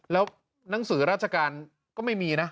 แล้วหนังสือราชการก็ไม่มีนะ